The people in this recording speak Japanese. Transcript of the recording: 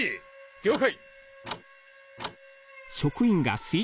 了解！